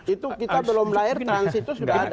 itu kita belum lahir transit itu sudah ada